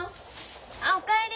あお帰り！